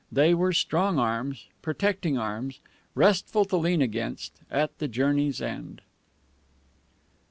They were strong arms, protecting arms, restful to lean against at the journey's end.